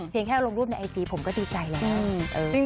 แค่ลงรูปในไอจีผมก็ดีใจแล้ว